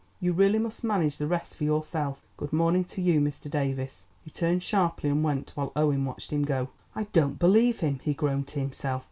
You really must manage the rest for yourself. Good morning to you, Mr. Davies." He turned sharply and went while Owen watched him go. "I don't believe him," he groaned to himself.